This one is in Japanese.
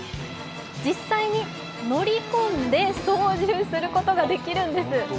実際に乗り込んで操縦することができるんです